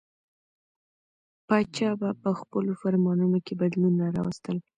پاچا به په خپلو فرمانونو کې بدلونونه راوستل.